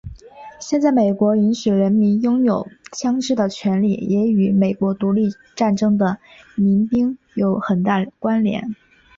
现在美国允许人民拥有枪枝的权利也与美国独立战争的民兵有很大关联。